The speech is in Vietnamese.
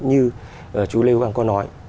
như chú lê quang có nói